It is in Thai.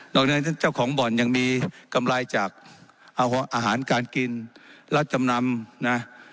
นอกจากนั้นเจ้าของบ่อนยังมีกำไรจากอาหารการกินรัฐจำนำนะ